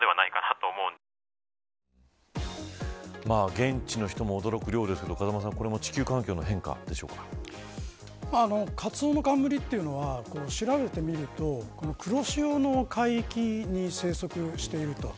現地の人も驚く量ですが風間さん、これも地球環境のカツオノカンムリというのは調べてみると黒潮の海域に生息していると。